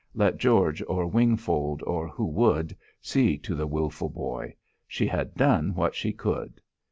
Let George, or Wingfold, or who would, see to the wilful boy! She had done what she could.